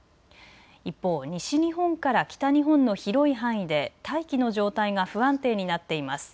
一方、西日本から北日本の広い範囲で大気の状態が不安定になっています。